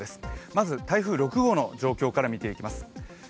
まず台風６号の状況から見ていきます。